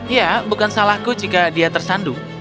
ya bukan salahku jika dia tersandung